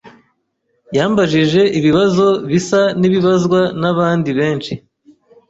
Yambajije ibibazo bisa nibibazwa nabandi benshi.